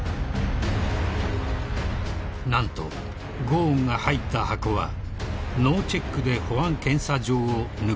［何とゴーンが入った箱はノーチェックで保安検査場を抜けている］